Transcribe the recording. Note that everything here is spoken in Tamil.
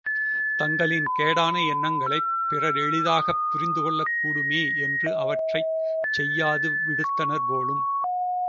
தங்களின் கேடான எண்ணங்களைப் பிறர் எளிதாகப் புரிந்துகொள்ளக்கூடுமே என்று அவற்றைச் செய்யாது விடுத்தனர் போலும்!